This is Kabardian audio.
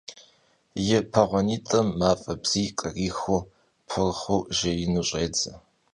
Yi peğuanit'ım maf'e bziyr khrixuu pırxhıjju jjêyue ş'êdze.